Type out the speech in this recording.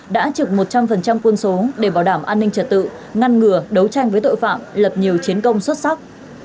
đã trực một trăm linh quân số để bảo đảm an ninh trật tự ngăn ngừa đấu tranh với tội phạm lập nhiều chiến công xuất sắc